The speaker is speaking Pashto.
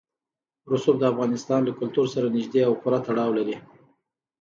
رسوب د افغانستان له کلتور سره نږدې او پوره تړاو لري.